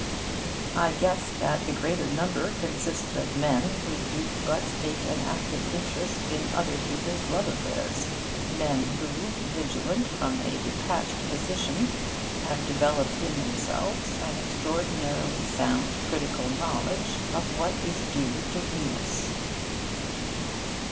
I guessed that the greater number consisted of men who do but take an active interest in other people's love affairs men who, vigilant from a detached position, have developed in themselves an extraordinarily sound critical knowledge of what is due to Venus.